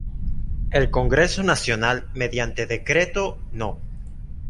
El Congreso Nacional mediante Decreto no.